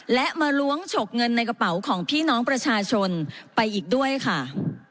และมาล้วงฉกเงินในกระเป๋าของพี่น้องประชาชนไปอีกด้วยค่ะ